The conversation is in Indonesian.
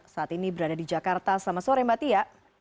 saat ini berada di jakarta selamat sore mbak tia